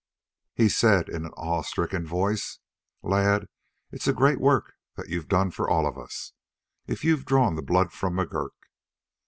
He said in an awe stricken voice: "Lad, it's a great work that you've done for all of us, if you've drawn the blood from McGurk."